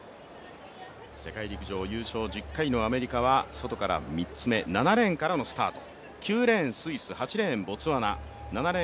世界陸上優勝１０回のアメリカは外から３つ目、７レーンからのスタート。